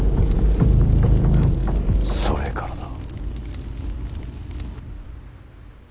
それからだ。